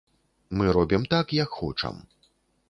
Мы робім так, як хочам.